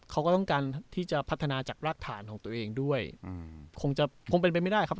เขาก็ต้องการที่จะพัฒนาจากรากฐานของตัวเองด้วยอืมคงจะคงเป็นไปไม่ได้ครับ